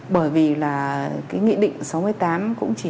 bởi vì là nghị định sáu mươi tám cũng chỉ dám đưa ra mức như thế